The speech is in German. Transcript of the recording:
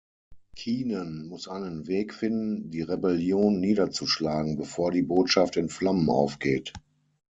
Keenan muss einen Weg finden, die Rebellion niederzuschlagen, bevor die Botschaft in Flammen aufgeht.